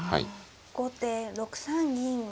後手６三銀。